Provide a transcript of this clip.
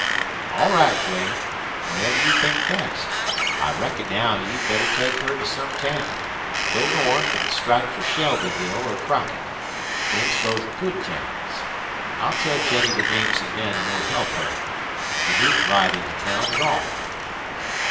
"All right, Duane. Whatever you think best. I reckon now you'd better take her to some town. Go north an' strike for Shelbyville or Crockett. Them's both good towns. I'll tell Jennie the names of men who'll help her. You needn't ride into town at all."